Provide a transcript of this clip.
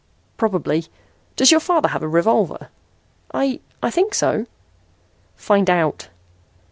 "Probably. Does your father have a revolver?" "I I think so." "Find out."